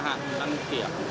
và đó là hành vi lửa đáp